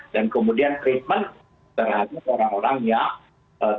dan kemudian treatment terhadap orang orang yang